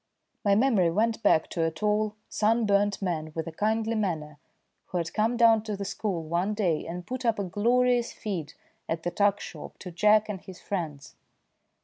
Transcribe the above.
My memory went back to a tall, sunburnt man with a kindly manner who had come down to the school one day and put up a glorious feed at the tuck shop to Jack and his friends.